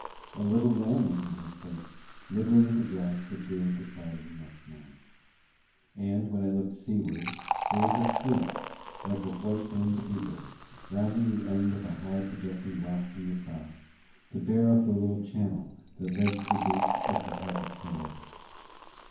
A little lamb was in her place, nibbling at the grass that grew on the side of the next mound. And when I looked seaward there was a sloop, like a white winged sea bird, rounding the end of a high projecting rock from the south, to bear up the little channel that led to the gates of the harbour canal.